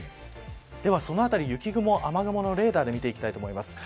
ではそのあたり、雪雲、雨雲のレーダーで見ていきます。